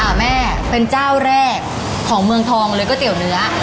แม่เป็นเจ้าแรกของเมืองทองเลยก๋วยเตี๋ยวเนื้อ